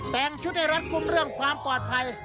แต่งชุดให้รัดกลุ่มเรื่องความปลอดภัย